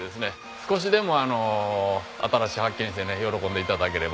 少しでも新しい発見をして喜んで頂ければと。